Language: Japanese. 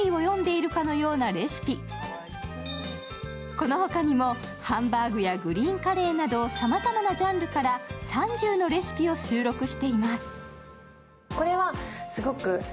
この他にも、ハンバーグやグリーンカレーなどさまざまなジャンルから３０のレシピを収録しています。